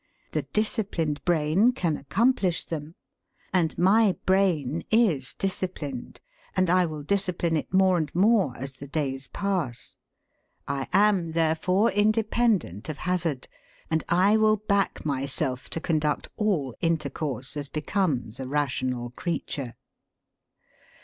The disciplined brain can accomplish them. And my brain is disciplined, and I will discipline it more and more as the days pass. I am, therefore, independent of hazard, and I will back myself to conduct all intercourse as becomes a rational creature.'